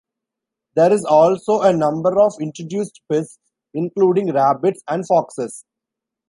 There is also a number of introduced pests, including rabbits and foxes.